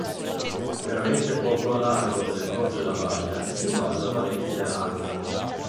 Veramente poco a largo delle coste della baia è situata Valentia Island.